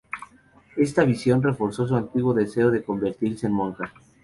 Esta visión reforzó su antiguo deseo de convertirse en monja.